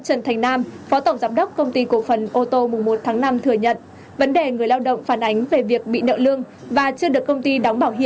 chỉ giá cho tôi đến ba mươi tháng bốn một tháng năm tôi xin đi tiểu bành